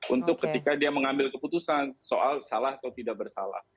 untuk ketika dia mengambil keputusan soal salah atau tidak bersalah